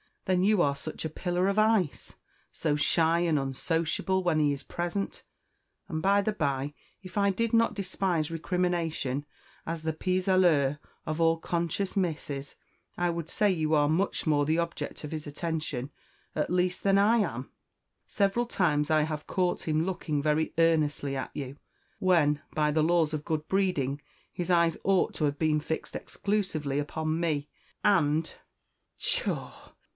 Then you are such a pillar of ice! so shy and unsociable when he is present! and, by the bye, if I did not despise recrimination as the pis aller of all conscious Misses, I would say you are much more the object of his attention, at least, than I am. Several times I have caught him looking very earnestly at you, when, by the laws of good breeding, his eyes ought to have been fixed exclusively upon me; and " "Pshaw!"